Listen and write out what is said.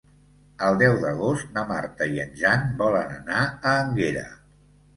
El deu d'agost na Marta i en Jan volen anar a Énguera.